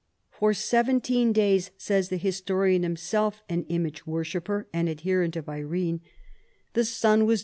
" For seventeen days," says the historian, himself an im age worshipper and adherent of Irene, " the sun was 238 CHARLEMAGNE.